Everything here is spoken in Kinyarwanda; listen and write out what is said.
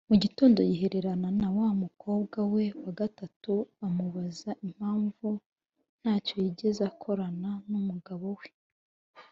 Mu gitondo yihererana na wa mukobwa we wa gatatu amubaza impamvu ntacyo yigeze akorana n’umugabo we